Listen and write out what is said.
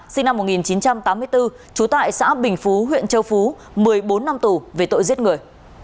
sinh năm một nghìn chín trăm tám mươi bốn trú tại xã bình phú huyện châu phú một mươi bốn năm tù về tội giết người